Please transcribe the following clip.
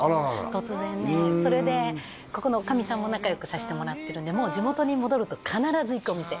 突然ねそれでここの女将さんも仲良くさせてもらってるんでもう地元に戻ると必ず行くお店